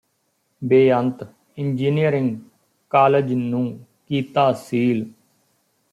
ਬੇਅੰਤ engineering college ਨੂੰ ਕੀਤਾ ਸੀਲ